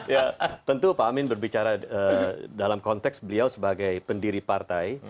ya tentu pak amin berbicara dalam konteks beliau sebagai pendiri partai